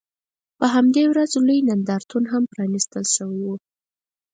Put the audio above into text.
په همدې ورځ لوی نندارتون هم پرانیستل شوی و.